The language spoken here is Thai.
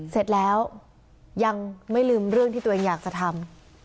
เสร็จแล้วยังไม่ลืมเรื่องที่ตัวเองอยากจะทำ